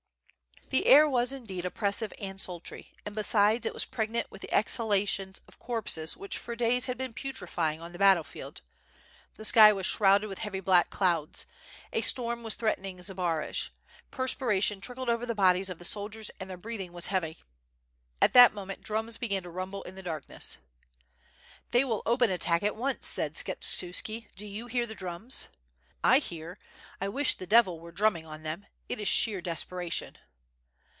The air was indeed oppressive and sultry, and besides it was pregnant with the exhalations of corpses which for days had been putrifying on the battle field. The sky was shrouded with heavy black clouds. A storm was threatening Zbaraj. Perspiration trickled over the bodies of the soldiers and their breathing was heavy. ^ At that moment drums began to rumble in the darkness. "They will open attack at once," said Skshetuski, "do you hear the drums?" "I hear, I wish the devil were drumming on them. It is sheer desperation."